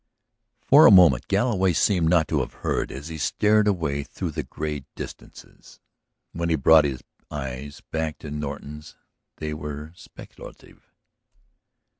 For a moment Galloway seemed not to have heard as he stared away through the gray distances. When he brought his eyes back to Norton's they were speculative.